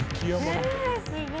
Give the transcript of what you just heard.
えすごい。